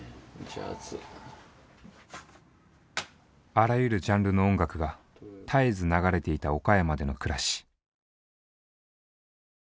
あらゆるジャンルの音楽が絶えず流れていた岡山での暮らし。